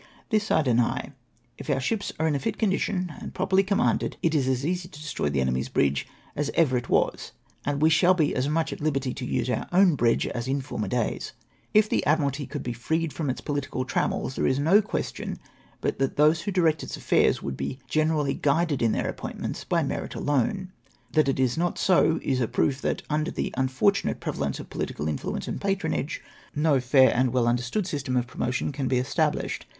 This I deny. If our sliips are in a fit condition, and properly commanded, it is as easy to destroy the enemy's " bridge " as ever it was, and we shall be as much at hberty to use our own bridge as in former days. If the Admkalty could be freed from its pohtical trammels, there is no question but that tliose who dkect its affau's would be generally guided in their appointments by merit alojie. That it is not so, is a proof that, under the unfortunate prevalence of pohtical influence and patronage, no fair and well understood system of promotion can be established.